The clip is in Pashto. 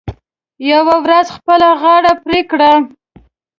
یوه ورځ خپله غاړه پرې کړه .